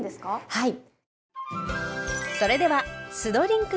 はい。